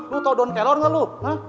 lo tau daun kelor gak lo